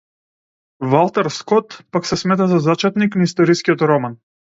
Валтер Скот, пак, се смета за зачетник на историскиот роман.